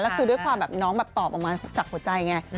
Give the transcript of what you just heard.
แล้วคือด้วยความแบบน้องแบบตอบออกมาจากหัวใจไง